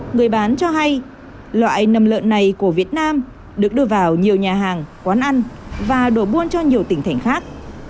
người bán cho hay loại nầm lợn này của việt nam được đưa vào nhiều nhà hàng quán ăn và đổ buôn cho nhiều tỉnh thành khác